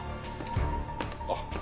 あっ。